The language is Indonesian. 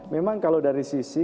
memang kalau dari sisi